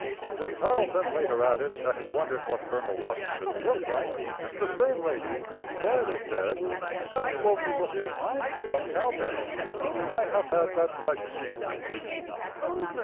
When Tarleton later added that he wondered what Colonel Washington looked like, the same lady slyly said: "Had you only looked behind you at Cowpens, you might have had that pleasure."